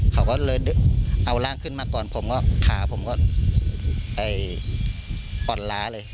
เขาก็เลยเอาร่างขึ้นมาก่อนผมก็ขาผมก็อ่อนล้าเลย